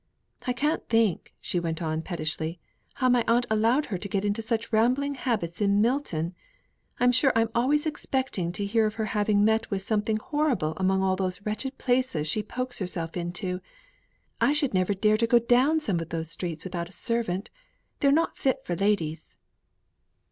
"I can't think," she went on, pettishly, "how my aunt allowed her to get into such rambling habits in Milton! I'm sure I'm always expecting to hear of her having met with something horrible among all those wretched places she pokes herself into. I should never dare to go down some of those streets without a servant. They're not fit for ladies."